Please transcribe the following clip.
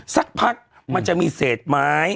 สักพักมันจะมีเศษไม้